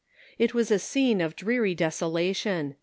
It was a scene of dreary desolation.